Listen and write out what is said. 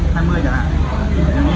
chiều như thế nào